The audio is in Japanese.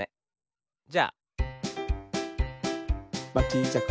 じゃあ。